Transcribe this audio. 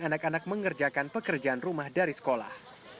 anak anak mengerjakan pekerjaan rumah dari sekolah